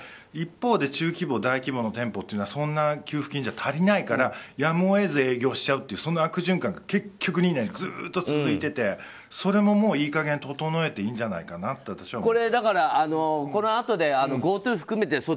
一方で中規模、大規模の店舗というのはそんな給付金じゃ足りないからやむを得ず営業しちゃうという悪循環が結局２年ずっと続いててそれも、もういい加減整えていいんじゃないかなとこのあとでＧｏＴｏ含めて